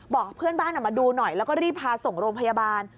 เพื่อนบ้านมาดูหน่อยแล้วก็รีบพาส่งโรงพยาบาล